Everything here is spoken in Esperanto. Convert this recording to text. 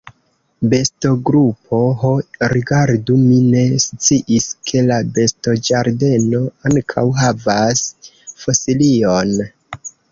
Bestogrupo: "Ho rigardu! Mi ne sciis ke la bestoĝardeno ankaŭ havas fosilion!"